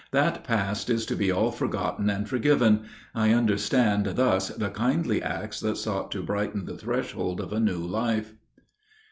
That past is to be all forgotten and forgiven; I understood thus the kindly acts that sought to brighten the threshold of a new life.